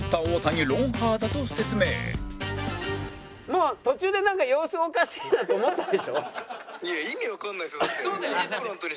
もう途中で様子おかしいなと思ったでしょ？